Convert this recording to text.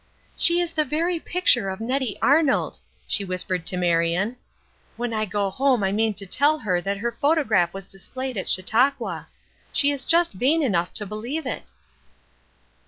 "She is the very picture of Nettie Arnold!" she whispered to Marion. "When I go home I mean to tell her that her photograph was displayed at Chautauqua. She is just vain enough to believe it!"